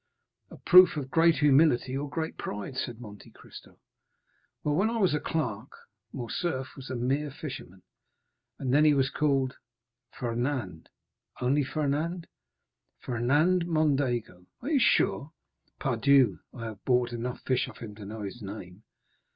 "A proof of great humility or great pride," said Monte Cristo. "Well, when I was a clerk, Morcerf was a mere fisherman." "And then he was called——" "Fernand." "Only Fernand?" "Fernand Mondego." "You are sure?" "Pardieu! I have bought enough fish of him to know his name."